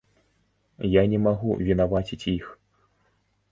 Я не магу вінаваціць іх.